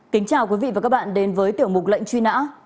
kính chào quý vị và các bạn đến với tiểu mục lệnh truy nã